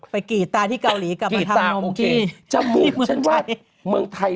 ไปกรีดตาที่เกาหลีกลับมาทำนมที่เมืองไทย